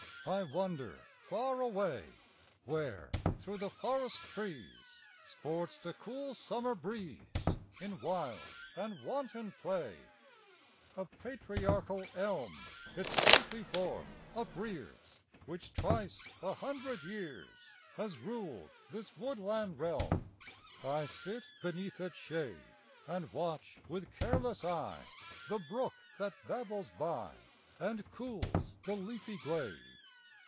I wander far away, Where, through the forest trees, Sports the cool summer breeze, In wild and wanton play. A patriarchal elm Its stately form uprears, Which twice a hundred years Has ruled this woodland realm. I sit beneath its shade, And watch, with careless eye, The brook that babbles by, And cools the leafy glade.